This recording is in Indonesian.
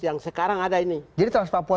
yang sekarang ada ini jadi trans papua